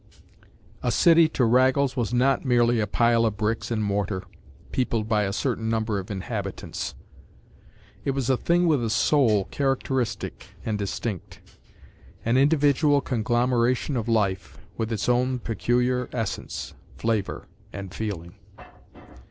A city to Raggles was not merely a pile of bricks and mortar, peopled by a certain number of inhabitants; it was a thing with a soul characteristic and distinct; an individual conglomeration of life, with its own peculiar essence, flavor and feeling.